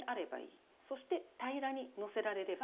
そして平らにのせられればいい。